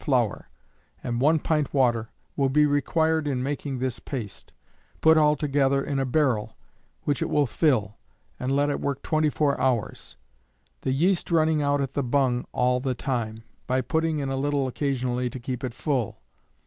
flour, and 1 pint water will be required in making this paste, put altogether in a barrel, which it will fill, and let it work 24 hours the yeast running out at the bung all the time, by putting in a little occasionally to keep it full.